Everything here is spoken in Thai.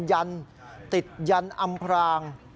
ยันติดยันอำพราง